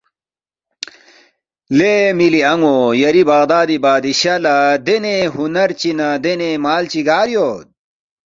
”لے مِلی ان٘و یری بغدادی بادشاہ لہ دِینے ہُنر چی نہ دِینے مال چی گار یود؟